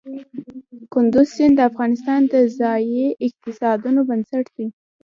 کندز سیند د افغانستان د ځایي اقتصادونو بنسټ دی.